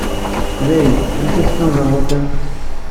Dayen! Anef-as kan ẓeṛwaḍi.